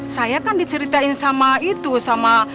saya kan diceritain sama itu sama